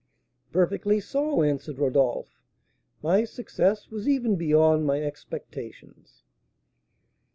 "Perfectly so," answered Rodolph. "My success was even beyond my expectations."